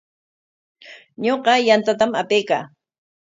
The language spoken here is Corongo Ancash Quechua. Ñuqa yantatam apaykaa.